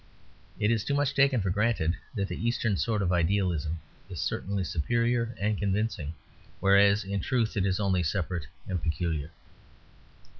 It is too much taken for granted that the Eastern sort of idealism is certainly superior and convincing; whereas in truth it is only separate and peculiar.